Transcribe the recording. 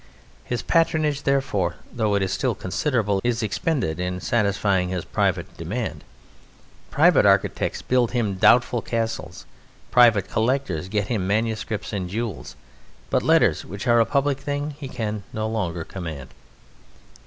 His patronage, therefore, though it is still considerable, is expended in satisfying his private demand. Private architects build him doubtful castles, private collectors get him manuscripts and jewels, but Letters, which are a public thing, he can no longer command.